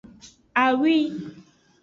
Awi.